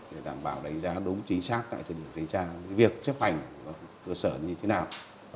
để đảm bảo đánh giá đúng chính xác cho việc chấp hành cơ sở như thế nào